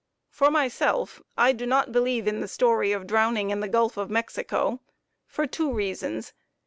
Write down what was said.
For myself, I do not believe in the story of drowning in the Gulf of Mexico for two reasons.